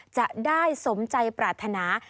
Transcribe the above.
จะได้สมใจปรารถนา